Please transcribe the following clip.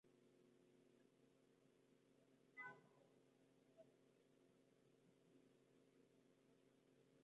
Es común comenzar a practicar el front lever partiendo de progresiones de menor dificultad.